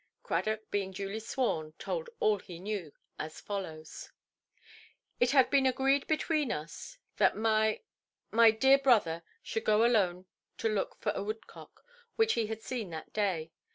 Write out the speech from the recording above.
Cradock, being duly sworn, told all he knew, as follows: "It had been agreed between us, that my—my dear brother should go alone to look for a woodcock, which he had seen that day.